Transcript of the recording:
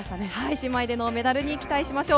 姉妹でのメダルに期待しましょう。